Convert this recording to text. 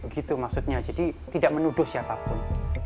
gitu maksudnya jadi tidak menuduh siapapun